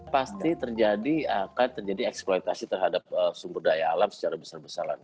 pasti terjadi akan terjadi eksploitasi terhadap sumber daya alam secara besar besaran